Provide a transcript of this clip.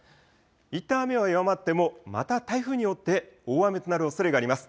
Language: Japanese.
いったん雨は弱まってもまた台風によって大雨となるおそれがあります。